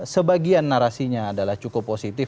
sebagian narasinya adalah cukup positif